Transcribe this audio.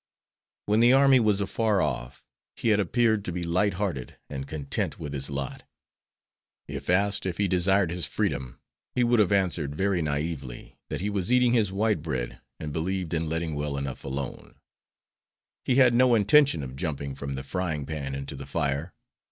When the army was afar off, he had appeared to be light hearted and content with his lot. If asked if he desired his freedom, he would have answered, very naively, that he was eating his white bread and believed in letting well enough alone; he had no intention of jumping from the frying pan into the fire.